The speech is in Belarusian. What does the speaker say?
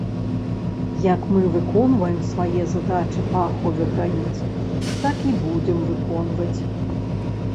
Як мы выконваем свае задачы па ахове граніц, так і будзем выконваць.